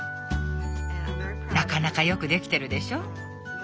なかなか良くできてるでしょ？